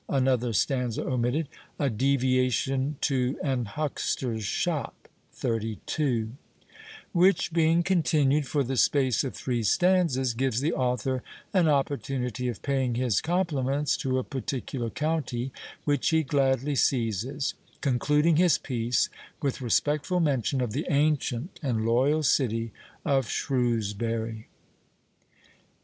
[Another stanza omitted.] A deviation to an huckster's shop 32 Which being continued for the space of three stanzas, gives the author an opportunity of paying his compliments to a particular county, which he gladly seizes; concluding his piece with respectful mention of the ancient and loyal city of SHREWSBURY.